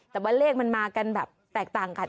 แต่ว่าเลขมันมากันแบบแตกต่างกัน